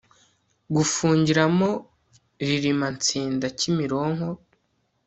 gufungiramo ririma nsinda kimironko